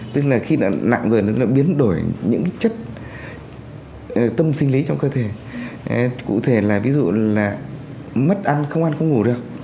tức là khi đã nặng rồi tức là biến đổi những chất tâm sinh lý trong cơ thể cụ thể là ví dụ là mất ăn không ăn không ngủ được